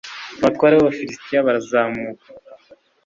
abatware b'abafilisiti barazamuka